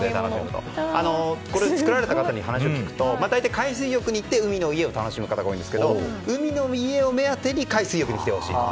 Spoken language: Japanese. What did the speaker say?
作られた方に話を聞くと大体、海水浴に行って海の家を楽しむ方が多いんですけど海の家を目当てに海水浴に来てほしいと。